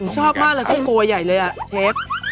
ชอบมากหละส้มโอใหญ่เลยว่ะเชฟ